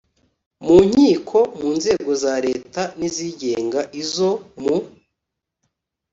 mu nkiko mu nzego za leta n izigenga izo mu